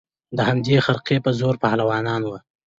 د همدې خرقې په زور پهلوانان وه